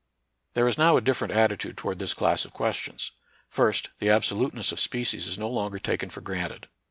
There is now a different attitude toward this class of questions. First, the absoluteness of species is no longer taken for granted.